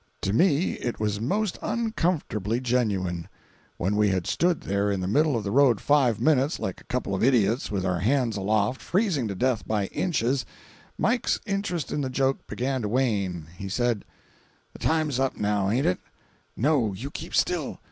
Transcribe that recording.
To me it was most uncomfortably genuine. When we had stood there in the middle of the road five minutes, like a couple of idiots, with our hands aloft, freezing to death by inches, Mike's interest in the joke began to wane. He said: "The time's up, now, aint it?" "No, you keep still.